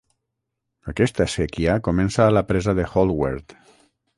Aquesta séquia comença a la presa de Holwerd.